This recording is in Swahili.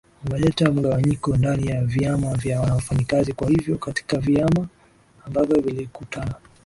umeleta mugawanyiko ndani ya vyama vya wafanyakazi kwa hivyo katika vyama ambavyo vilivyokutana